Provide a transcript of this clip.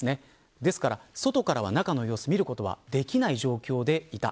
ですから外からは中の様子を見ることができない状況でした。